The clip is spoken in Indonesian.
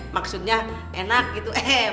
maksudnya enak gitu